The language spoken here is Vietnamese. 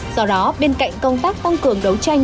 do đó bên cạnh công tác tăng cường đấu tranh